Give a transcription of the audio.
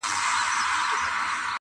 سرې سونډي دي یاره له شرابو زوروري دي,